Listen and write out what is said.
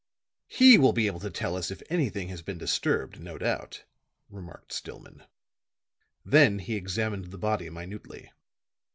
"He will be able to tell us if anything has been disturbed, no doubt," remarked Stillman. Then he examined the body minutely.